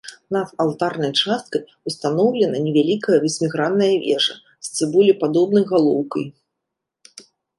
Над алтарнай часткай устаноўлена невялікая васьмігранная вежа з цыбулепадобнай галоўкай.